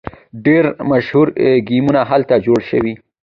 ډیر مشهور ګیمونه هلته جوړ شوي.